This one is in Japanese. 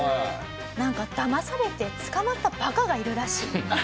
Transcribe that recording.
「なんかだまされて捕まったバカがいるらしい」。